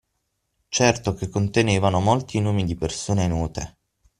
Certo che contenevano molti nomi di persone note!